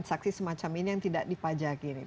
dan adanya transaksi semacam ini yang tidak dipajakin